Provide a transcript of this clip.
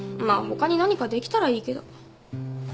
まあほかに何かできたらいいけど。